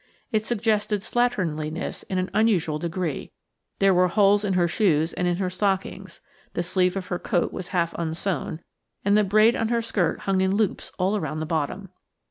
It suggested slatternliness in an unusual degree; there were holes in her shoes and in her stockings, the sleeve of her coat was half unsewn, and the braid on her skirt hung in loops all round the bottom.